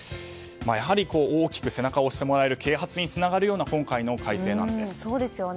やはり大きく背中を押してもらえる啓発につながる今回の改正なんです。